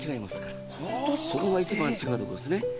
そこが一番違うところですね。